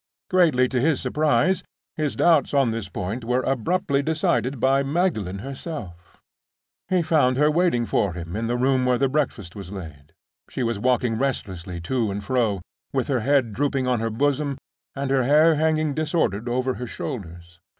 Greatly to his surprise, his doubts on this point were abruptly decided by Magdalen herself. He found her waiting for him in the room where the breakfast was laid. She was walking restlessly to and fro, with her head drooping on her bosom and her hair hanging disordered over her shoulders.